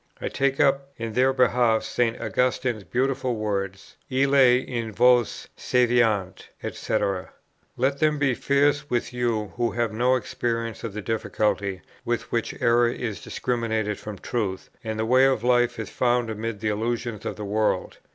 I take up in their behalf St. Augustine's beautiful words, "Illi in vos sæviant," &c. Let them be fierce with you who have no experience of the difficulty with which error is discriminated from truth, and the way of life is found amid the illusions of the world.